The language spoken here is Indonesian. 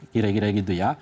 kira kira gitu ya